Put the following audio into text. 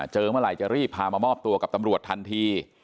เมื่อไหร่จะรีบพามามอบตัวกับตำรวจทันที